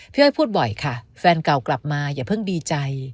อ้อยพูดบ่อยค่ะแฟนเก่ากลับมาอย่าเพิ่งดีใจ